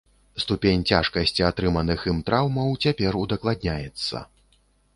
Ступень цяжкасці атрыманых ім траўмаў цяпер удакладняецца.